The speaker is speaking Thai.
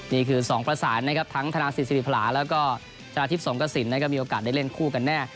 นี่คือ๒ประสานนะครับทั้งธนาศิษริพราแล้วก็ชนะทิพย์สงกระสินนะครับมีโอกาสได้เล่นคู่กันแน่